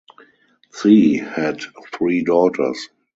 Tsi had three daughters.